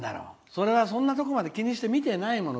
それは、そんなとこまで気にして見てないもの